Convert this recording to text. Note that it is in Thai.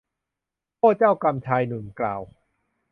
โอ้เจ้ากรรม ชายหนุ่มกล่าว